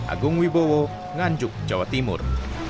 agung wibowo nganjuk jawa timur